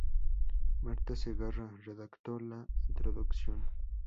Marta Segarra redactó la introducción.